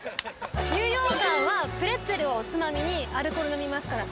ニューヨーカーはプレッツェルをおつまみにアルコール飲みますから。